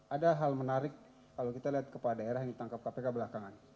ada hal menarik kalau kita lihat kepala daerah yang ditangkap kpk belakangan